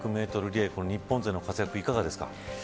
リレー日本勢の活躍、いかがですか。